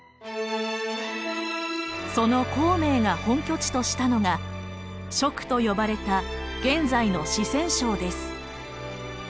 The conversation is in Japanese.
その孔明が本拠地としたのが蜀と呼ばれた現在の四川省です。